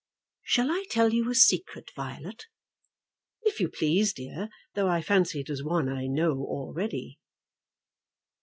"Shall I tell you a secret, Violet?" "If you please, dear; though I fancy it is one I know already."